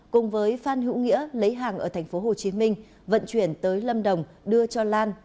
cùng với phan hữu nghĩa lấy hàng ở tp hcm vận chuyển tới lâm đồng đưa cho lan